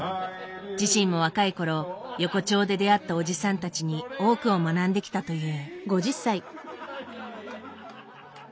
自身も若いころ横丁で出会ったおじさんたちに多くを学んできたという。